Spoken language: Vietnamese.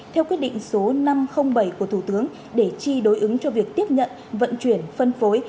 theo quyết định số năm trăm linh bảy của thủ tướng để chi đối ứng cho việc tiếp nhận vận chuyển phân phối